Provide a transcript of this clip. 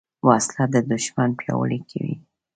وسله د دوښمن پیاوړي کوي